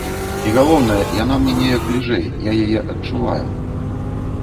І галоўнае, яна мне неяк бліжэй, я яе адчуваю.